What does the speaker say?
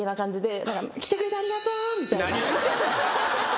何を言うてんねん！